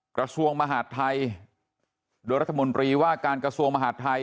กระทรวงมหาดไทยโดยรัฐมนตรีว่าการกระทรวงมหาดไทย